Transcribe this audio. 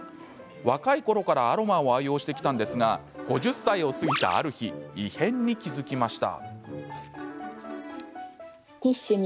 若いころからアロマを愛用してきたんですが５０歳を過ぎた、ある日異変に気付きました。